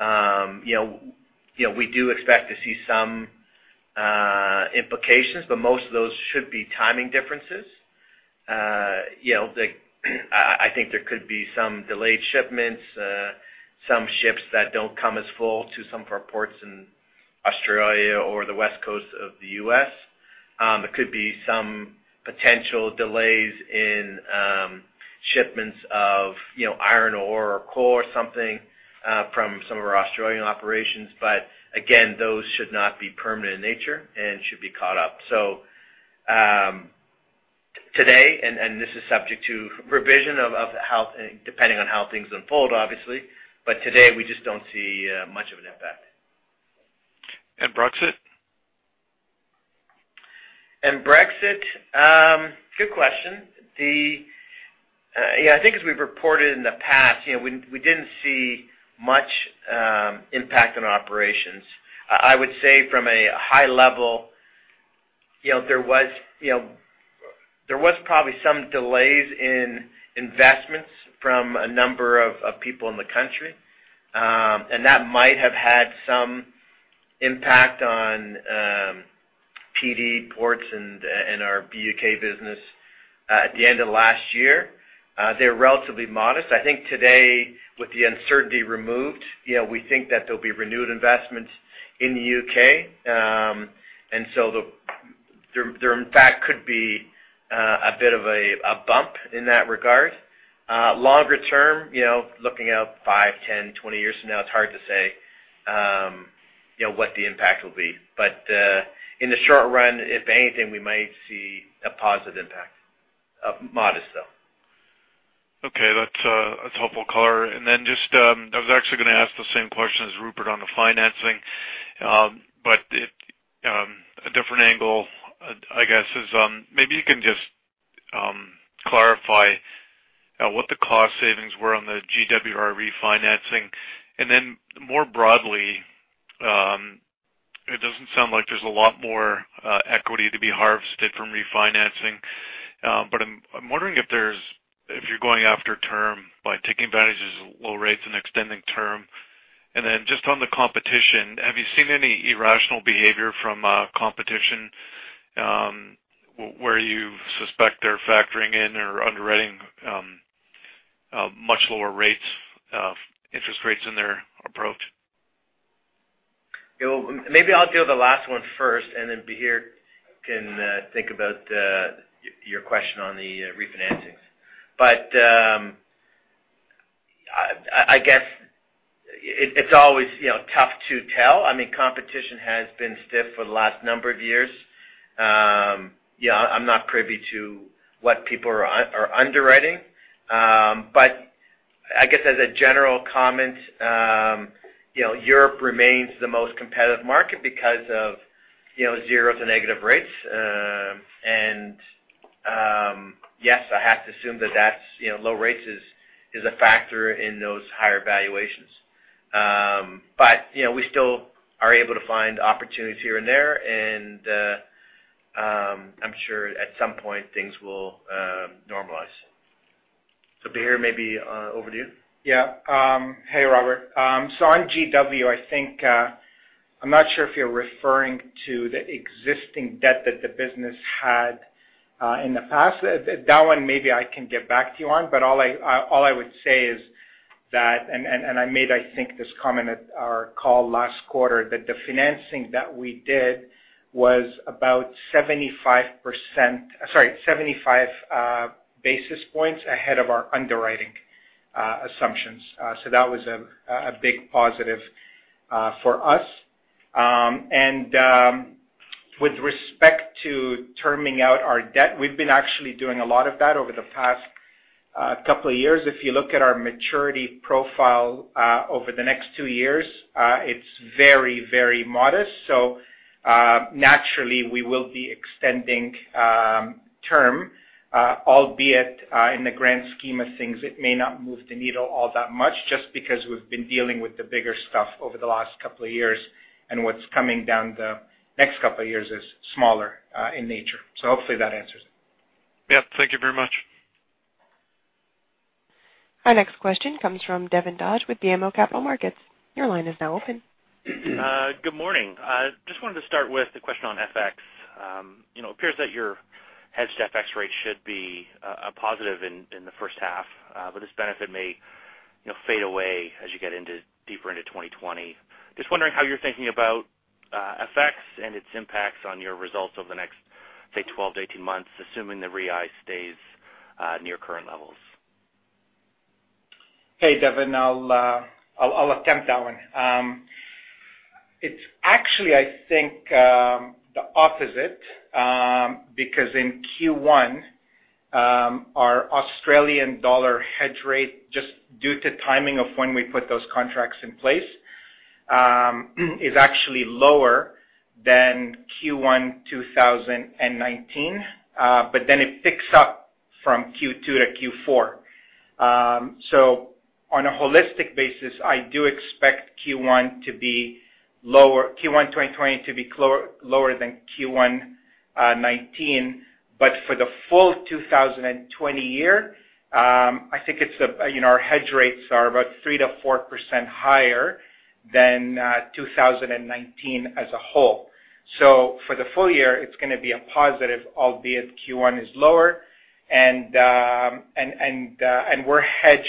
We do expect to see some implications, but most of those should be timing differences. I think there could be some delayed shipments, some ships that don't come as full to some of our ports in Australia or the West Coast of the U.S. There could be some potential delays in shipments of iron ore or coal or something from some of our Australian operations. Again, those should not be permanent in nature and should be caught up. Today, and this is subject to revision, depending on how things unfold, obviously, but today we just don't see much of an impact. Brexit? Brexit? Good question. I think as we've reported in the past, we didn't see much impact on operations. I would say from a high level, there was probably some delays in investments from a number of people in the country. That might have had some impact on PD Ports and our BUUK business at the end of last year. They're relatively modest. I think today with the uncertainty removed, we think that there'll be renewed investments in the U.K. There, in fact, could be a bit of a bump in that regard. Longer term, looking out five, 10, 20 years from now, it's hard to say what the impact will be. In the short run, if anything, we might see a positive impact. Modest, though. Okay. That's helpful color. Then I was actually going to ask the same question as Rupert on the financing. A different angle, I guess, is maybe you can just clarify what the cost savings were on the GWR refinancing. Then more broadly, it doesn't sound like there's a lot more equity to be harvested from refinancing. I'm wondering if you're going after term by taking advantage of low rates and extending term. Then just on the competition, have you seen any irrational behavior from competition, where you suspect they're factoring in or underwriting much lower interest rates in their approach? Maybe I'll deal with the last one first, and then Bahir can think about your question on the refinancings. I guess it's always tough to tell. Competition has been stiff for the last number of years. I'm not privy to what people are underwriting. I guess as a general comment, Europe remains the most competitive market because of zero to negative rates. Yes, I have to assume that low rates is a factor in those higher valuations. We still are able to find opportunities here and there, and I'm sure at some point things will normalize. Bahir, maybe over to you. Yeah. Hey, Robert. On G&W, I'm not sure if you're referring to the existing debt that the business had in the past. That one maybe I can get back to you on, but all I would say is that, and I made, I think, this comment at our call last quarter, that the financing that we did was about 75 basis points ahead of our underwriting assumptions. That was a big positive for us. With respect to terming out our debt, we've been actually doing a lot of that over the past couple of years. If you look at our maturity profile over the next two years, it's very modest. Naturally we will be extending term, albeit in the grand scheme of things, it may not move the needle all that much just because we've been dealing with the bigger stuff over the last couple of years and what's coming down the next couple of years is smaller in nature. Hopefully that answers it. Yeah. Thank you very much. Our next question comes from Devin Dodge with BMO Capital Markets. Your line is now open. Good morning. Just wanted to start with a question on FX. It appears that your hedged FX rate should be a positive in the first half, but this benefit may fade away as you get deeper into 2020. Just wondering how you're thinking about FX and its impacts on your results over the next, say, 12-18 months, assuming the REI stays near current levels. Devin, I will attempt that one. It is actually, I think, the opposite, because in Q1, our Australian dollar hedge rate, just due to timing of when we put those contracts in place, is actually lower than Q1 2019. It picks up from Q2 to Q4. On a holistic basis, I do expect Q1 2020 to be lower than Q1 2019. For the full 2020 year, I think our hedge rates are about 3%-4% higher than 2019 as a whole. For the full year, it is going to be a positive, albeit Q1 is lower. We are hedged,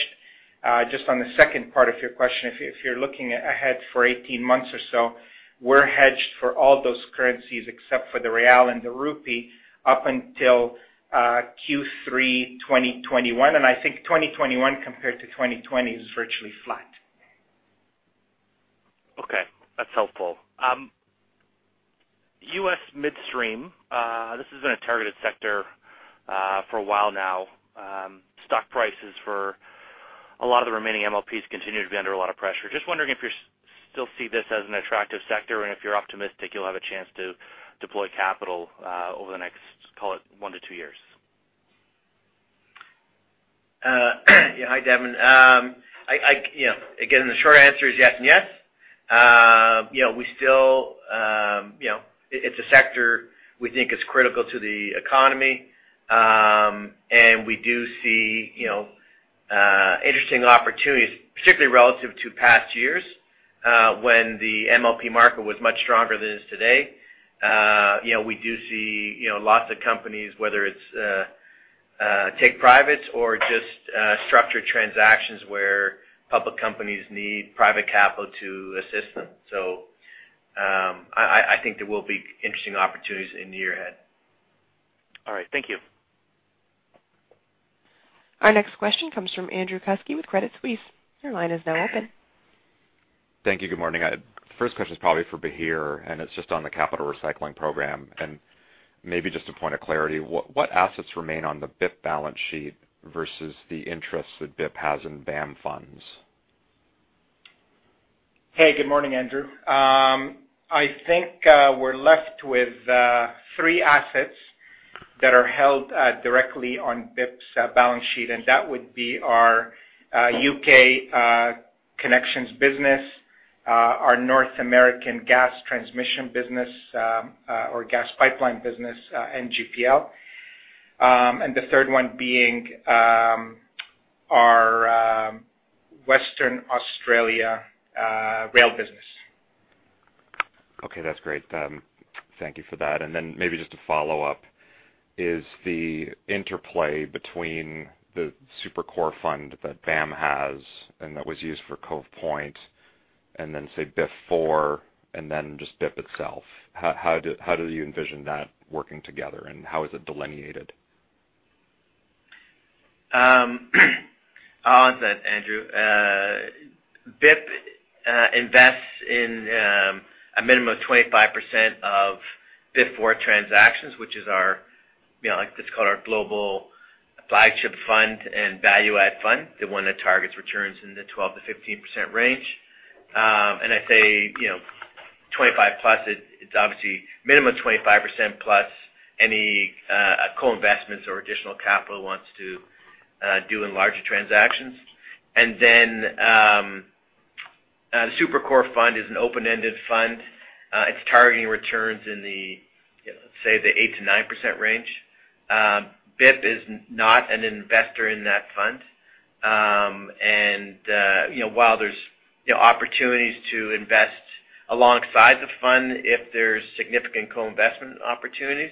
just on the second part of your question, if you are looking ahead for 18 months or so, we are hedged for all those currencies except for the real and the rupee up until Q3 2021. I think 2021 compared to 2020 is virtually flat. Okay. That's helpful. U.S. midstream, this has been a targeted sector for a while now. Stock prices for a lot of the remaining MLPs continue to be under a lot of pressure. Just wondering if you still see this as an attractive sector and if you're optimistic you'll have a chance to deploy capital over the next, call it one to two years? Yeah. Hi, Devin. Again, the short answer is yes and yes. It's a sector we think is critical to the economy. We do see interesting opportunities, particularly relative to past years, when the MLP market was much stronger than it is today. We do see lots of companies, whether it's take privates or just structured transactions where public companies need private capital to assist them. I think there will be interesting opportunities in the year ahead. All right. Thank you. Our next question comes from Andrew Kuske with Credit Suisse. Your line is now open. Thank you. Good morning. First question is probably for Bahir, and it's just on the capital recycling program, and maybe just a point of clarity. What assets remain on the BIP balance sheet versus the interest that BIP has in BAM funds? Hey, good morning, Andrew. I think we're left with three assets that are held directly on BIP's balance sheet. That would be our U.K. connections business, our North American gas transmission business, or gas pipeline business, NGPL. The third one being our Western Australia rail business. Okay, that's great. Thank you for that. Then maybe just a follow-up, is the interplay between the Super-Core fund that BAM has and that was used for Cove Point, and then say BIF IV, and then just BIP itself. How do you envision that working together, and how is it delineated? I'll answer that, Andrew. BIP invests in a minimum of 25% of BIF IV transactions, it's called our global flagship fund and value-add fund, the one that targets returns in the 12%-15% range. I say, 25%+, it's obviously minimum 25%+ any co-investments or additional capital it wants to do in larger transactions. Super-Core fund is an open-ended fund. It's targeting returns in the, let's say the 8%-9% range. BIP is not an investor in that fund. While there's opportunities to invest alongside the fund, if there's significant co-investment opportunities,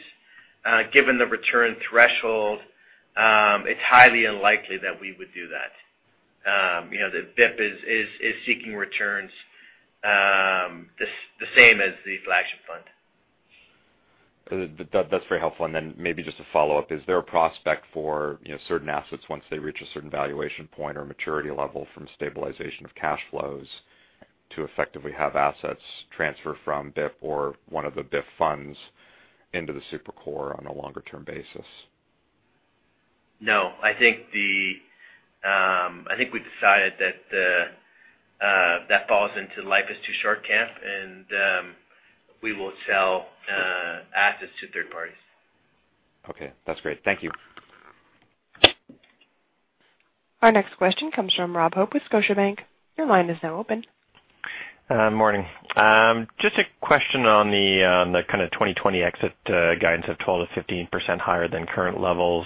given the return threshold, it's highly unlikely that we would do that. The BIP is seeking returns the same as the flagship fund. That's very helpful. Maybe just a follow-up. Is there a prospect for certain assets once they reach a certain valuation point or maturity level from stabilization of cash flows to effectively have assets transfer from BIP or one of the BIP funds into the Super-Core on a longer-term basis? No. I think we decided that that falls into life is too short camp, and we will sell assets to third parties. Okay. That's great. Thank you. Our next question comes from Rob Hope with Scotiabank. Your line is now open. Morning. Just a question on the kind of 2020 exit guidance of 12%-15% higher than current levels.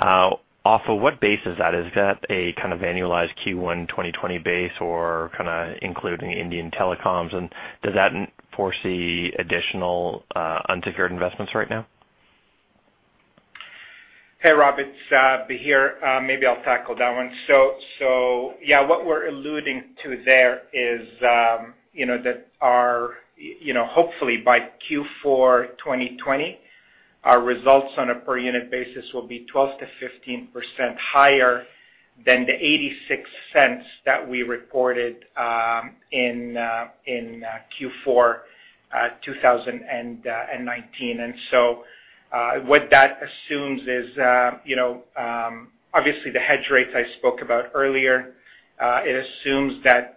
Off of what base is that? Is that a kind of annualized Q1 2020 base or kind of including Indian telecoms? Does that foresee additional unsecured investments right now? Hey, Rob. It's Bahir. Maybe I'll tackle that one. Yeah, what we're alluding to there is that hopefully by Q4 2020, our results on a per unit basis will be 12%-15% higher than the $0.86 that we reported in Q4 2019. What that assumes is obviously the hedge rates I spoke about earlier. It assumes that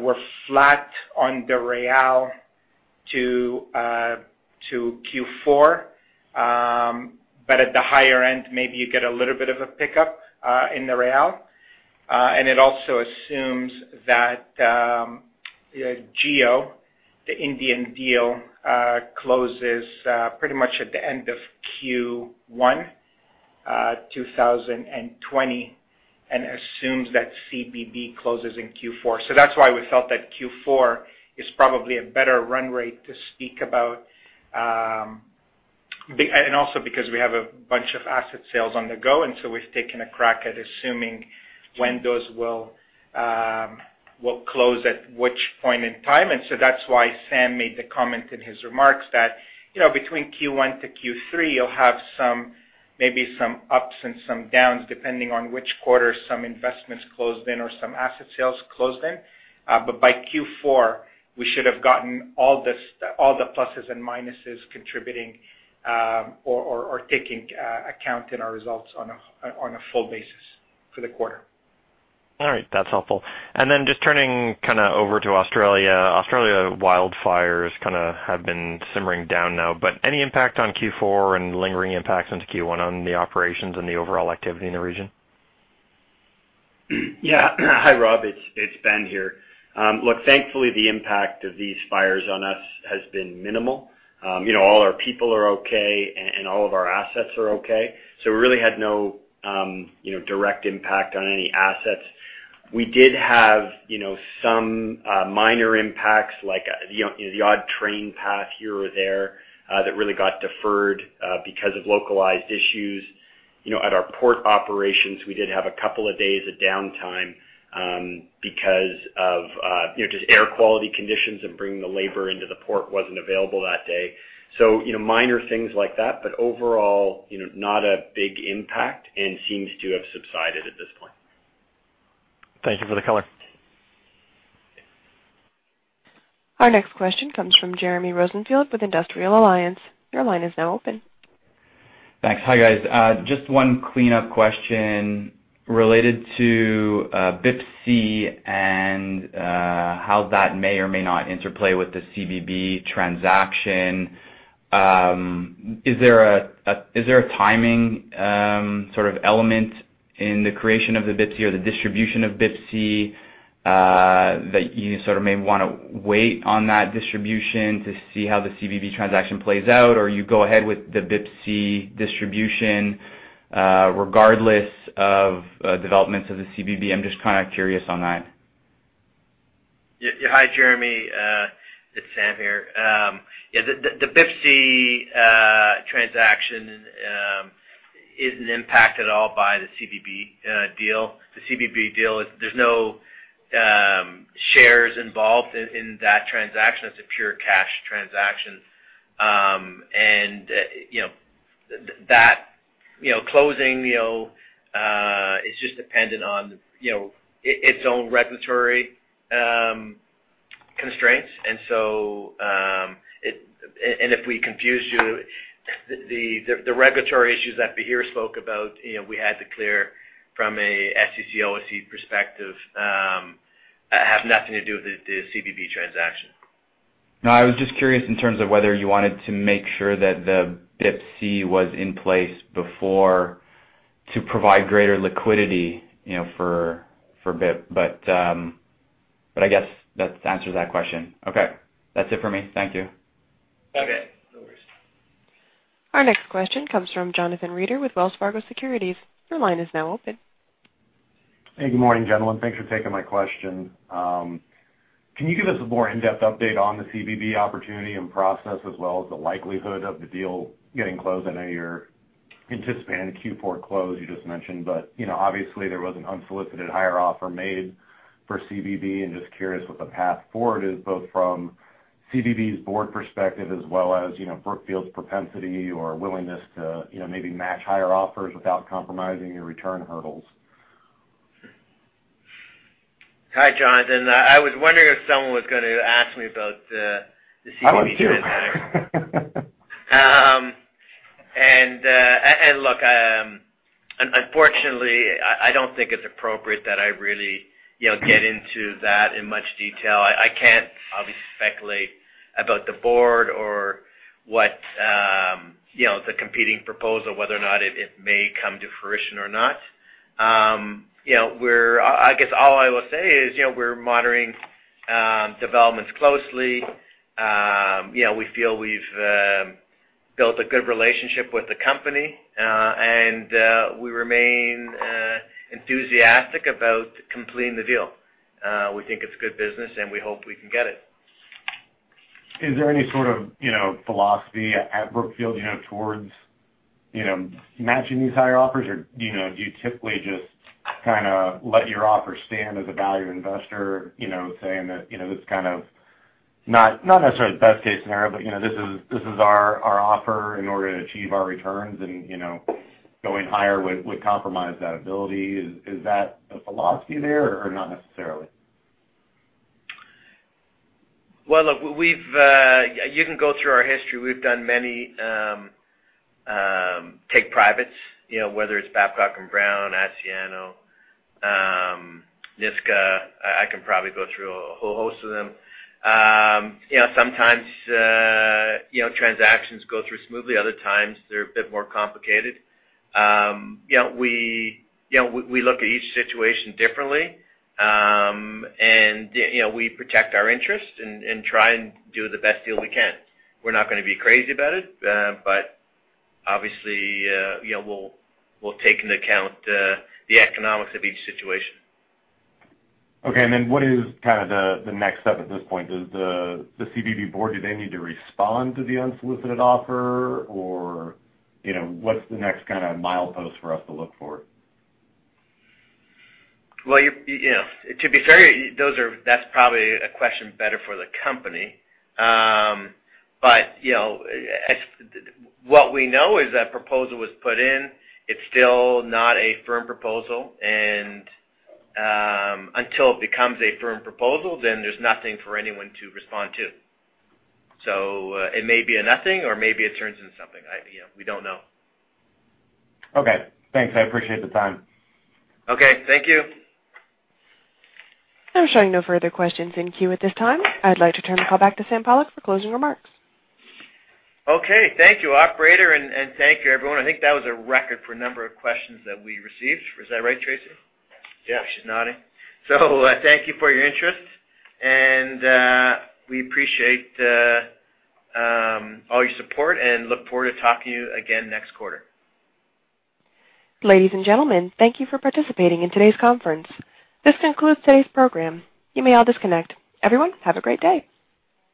we're flat on the real to Q4. At the higher end, maybe you get a little bit of a pickup in the real. It also assumes that Jio, the Indian deal, closes pretty much at the end of Q1 2020 and assumes that CBB closes in Q4. That's why we felt that Q4 is probably a better run rate to speak about. Also because we have a bunch of asset sales on the go, and so we've taken a crack at assuming when those will close at which point in time. That's why Sam made the comment in his remarks that between Q1 to Q3, you'll have maybe some ups and some downs, depending on which quarter some investments closed in or some asset sales closed in. By Q4, we should have gotten all the pluses and minuses contributing, or taking account in our results on a full basis for the quarter. All right, that's helpful. Just turning over to Australia. Australia wildfires have been simmering down now, any impact on Q4 and lingering impacts into Q1 on the operations and the overall activity in the region? Yeah. Hi, Rob. It's Ben here. Look, thankfully, the impact of these fires on us has been minimal. All our people are okay, and all of our assets are okay. We really had no direct impact on any assets. We did have some minor impacts, like the odd train path here or there, that really got deferred because of localized issues. At our port operations, we did have a couple of days of downtime because of just air quality conditions and bringing the labor into the port wasn't available that day. Minor things like that, but overall, not a big impact and seems to have subsided at this point. Thank you for the color. Our next question comes from Jeremy Rosenfield with Industrial Alliance. Your line is now open. Thanks. Hi, guys. Just one cleanup question related to BIPC and how that may or may not interplay with the CBB transaction. Is there a timing sort of element in the creation of the BIPC or the distribution of BIPC, that you sort of may want to wait on that distribution to see how the CBB transaction plays out, or you go ahead with the BIPC distribution, regardless of developments of the CBB? I'm just kind of curious on that. Hi, Jeremy. It's Sam here. The BIPC transaction isn't impacted at all by the CBB deal. The CBB deal, there's no shares involved in that transaction. It's a pure cash transaction. That closing is just dependent on its own regulatory constraints. If we confused you, the regulatory issues that Bahir spoke about, we had to clear from a SEC OSC perspective, have nothing to do with the CBB transaction. I was just curious in terms of whether you wanted to make sure that the BIPC was in place before to provide greater liquidity for BIP. I guess that answers that question. Okay. That's it for me. Thank you. Okay. No worries. Our next question comes from Jonathan Reeder with Wells Fargo Securities. Your line is now open. Hey, good morning, gentlemen. Thanks for taking my question. Can you give us a more in-depth update on the CBB opportunity and process, as well as the likelihood of the deal getting closed? I know you're anticipating a Q4 close, you just mentioned, but obviously there was an unsolicited higher offer made for CBB, and just curious what the path forward is, both from CBB's Board perspective, as well as Brookfield's propensity or willingness to maybe match higher offers without compromising your return hurdles. Hi, Jonathan. I was wondering if someone was going to ask me about the CBB deal. I was too. Look, unfortunately, I don't think it's appropriate that I really get into that in much detail. I can't, obviously, speculate about the board or what the competing proposal, whether or not it may come to fruition or not. I guess all I will say is, we're monitoring developments closely. We feel we've built a good relationship with the company. We remain enthusiastic about completing the deal. We think it's good business, and we hope we can get it. Is there any sort of philosophy at Brookfield towards matching these higher offers, or do you typically just kind of let your offer stand as a value investor, saying that this is kind of not necessarily the best-case scenario, but this is our offer in order to achieve our returns, and going higher would compromise that ability? Is that a philosophy there or not necessarily? Well, look, you can go through our history. We've done many take-privates, whether it's Babcock & Brown, Asciano, Niska. I can probably go through a whole host of them. Sometimes transactions go through smoothly, other times they're a bit more complicated. We look at each situation differently. We protect our interests and try and do the best deal we can. We're not going to be crazy about it. Obviously, we'll take into account the economics of each situation. What is kind of the next step at this point? Does the CBB Board, do they need to respond to the unsolicited offer? What's the next kind of milepost for us to look for? Well, to be fair, that's probably a question better for the company. What we know is that proposal was put in. It's still not a firm proposal. Until it becomes a firm proposal, then there's nothing for anyone to respond to. It may be a nothing, or maybe it turns into something. We don't know. Okay. Thanks. I appreciate the time. Okay. Thank you. I'm showing no further questions in queue at this time. I'd like to turn the call back to Sam Pollock for closing remarks. Okay. Thank you, operator, and thank you, everyone. I think that was a record for number of questions that we received. Was that right, Tracy? Yeah. She's nodding. Thank you for your interest, and we appreciate all your support and look forward to talking to you again next quarter. Ladies and gentlemen, thank you for participating in today's conference. This concludes today's program. You may all disconnect. Everyone, have a great day.